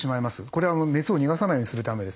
これは熱を逃がさないようにするためですね。